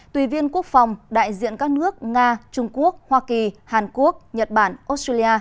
tùy viên quốc phòng đại diện các nước nga trung quốc hoa kỳ hàn quốc nhật bản australia